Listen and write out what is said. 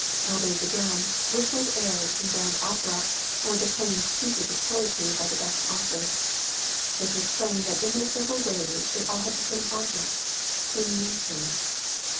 Others again whistled airs from grand opera or declaimed pieces of poetry by the best authors. It was plain that in their several ways they all had the same object to amuse her.